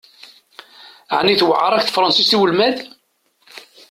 Ɛni tewεeṛ-ak tefransist i ulmad?